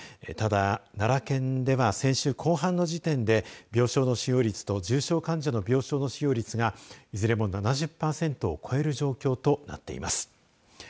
ただ、奈良県では先週後半の時点で病床の使用率と重症者患者の病床の使用率がいずれも７０パーセントを超える状況となっています。